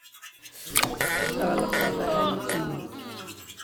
La ɣellqeɣ taḥanut-inu.